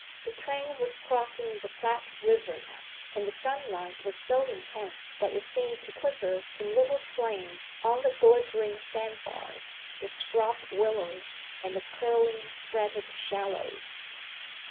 The train was crossing the Platte River now, and the sunlight was so intense that it seemed to quiver in little flames on the glittering sandbars, the scrub willows, and the curling, fretted shallows.